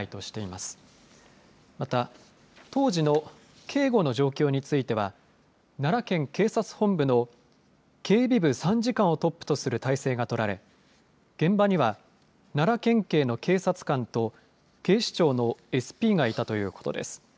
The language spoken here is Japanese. また当時の警護の状況については奈良県警察本部の警備部参事官をトップとする体制が取られ現場には奈良県警の警察官と警視庁のＳＰがいたということです。